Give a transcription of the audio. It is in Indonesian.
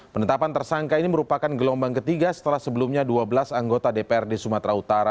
penetapan tersangka ini merupakan gelombang ketiga setelah sebelumnya dua belas anggota dprd sumatera utara